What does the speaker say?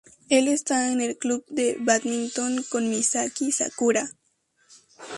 Él está en el club de bádminton con Misaki Sakura.